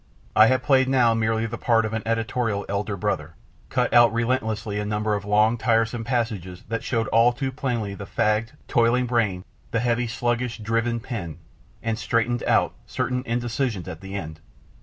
I have played now merely the part of an editorial elder brother: cut out relentlessly a number of long tiresome passages that showed all too plainly the fagged, toiling brain, the heavy sluggish driven pen, and straightened out certain indecisions at the end.